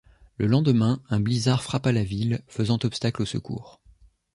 Le lendemain, un blizzard frappa la ville, faisant obstacle aux secours.